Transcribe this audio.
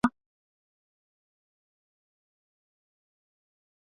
Dunia kwa sasa inakuwa kama sodoma na gomora